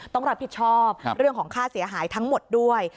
ต้องรับผิดชอบเรื่องของค่าเสียหายทั้งหมดด้วย